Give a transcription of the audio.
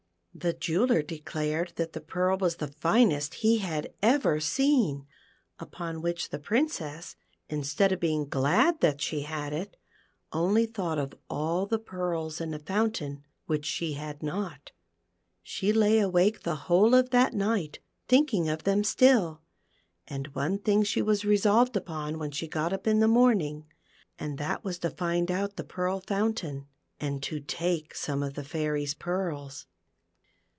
The jeweller declared that the pearl was the finest he had ever seen, upon w hich the Princess, instead of being i6 THE PEARL FOUNTAIN. glad that she had it, only thought of all the pearls in the fountain which she had not. She lay awake the whole of that night, thinking of them still ; and one thing she was resolved upon when she got up in the morning, and that was to find out the Pearl Fountain, and to take some of the Fairy's pearls.